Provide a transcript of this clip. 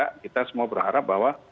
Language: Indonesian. kita semua berharap bahwa